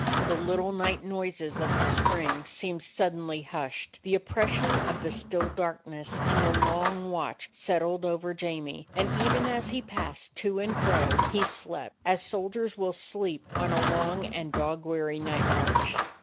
The little night noises of the spring seemed suddenly hushed. The oppres sion of the still darkness and the long watch settled over Jamie, and even as he passed to and fro, he slept, as soldiers will sleep on a long and dog weary night march.